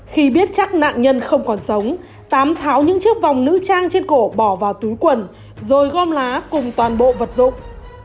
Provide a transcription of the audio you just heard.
khi biết chắc nạn nhân không còn sống tám tháo những chiếc vòng nữ trang trên cổ bỏ vào túi quần rồi gom lá cùng toàn bộ vật dụng